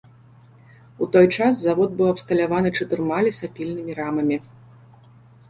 У той час завод быў абсталяваны чатырма лесапільнымі рамамі.